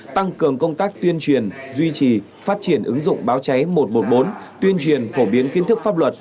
tăng cường công tác tuyên truyền duy trì phát triển ứng dụng báo cháy một trăm một mươi bốn tuyên truyền phổ biến kiến thức pháp luật